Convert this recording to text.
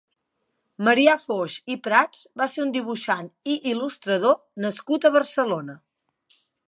Marià Foix i Prats va ser un dibuixant i il·lustrador nascut a Barcelona.